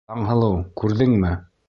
Таңһылыу, күрҙеңме?